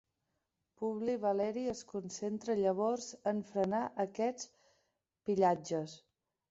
Publi Valeri es concentra llavors en frenar aquests pillatges.